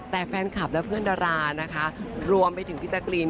แต่แฟนคลับและเพื่อนดรารวมไปถึงที่สกรีน